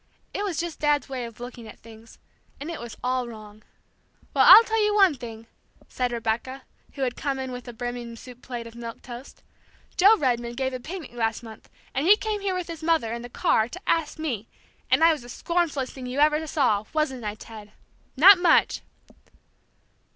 It was just Dad's way of looking at things, and it was all wrong. "Well, I'll tell you one thing!" said Rebecca, who had come in with a brimming soup plate of milk toast, "Joe Redman gave a picnic last month, and he came here with his mother, in the car, to ask me. And I was the scornfullest thing you ever saw, wasn't I, Ted? Not much!"